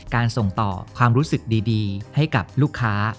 ส่งต่อความรู้สึกดีให้กับลูกค้า